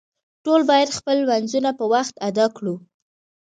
ټول باید خپل لمونځونه په وخت ادا کړو